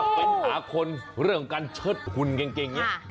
แบบแผนหาคนเรื่องการเชิดหุ่นเกรงเนี่ย